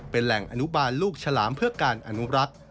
เป็นแหล่งอนุบาลลูกฉลามเพื่อการอนุรักษ์